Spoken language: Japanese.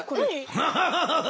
アハハハハハ！